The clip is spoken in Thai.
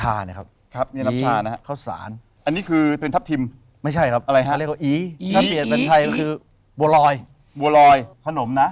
อันนี้ถือว่าได้ความรู้มากนะ